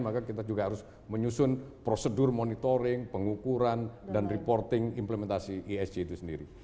maka kita juga harus menyusun prosedur monitoring pengukuran dan reporting implementasi esg itu sendiri